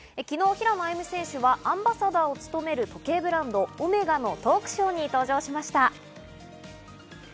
昨日、平野歩夢選手がアンバサダーを務める時計ブランド、オメガのトークショーに登場しました。